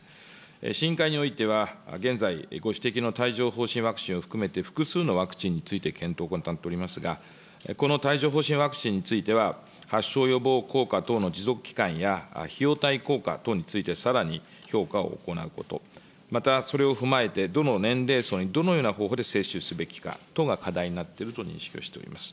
審議会においては、現在、ご指摘の帯状ほう疹ワクチンを含めて、複数のワクチンの検討を行っておりますが、この帯状ほう疹ワクチンについては、発症予防効果等の持続期間や、費用対効果等についてさらに評価を行うこと、またそれを踏まえて、どの年齢層にどのような方法で接種すべきか等が課題になっていると認識をしております。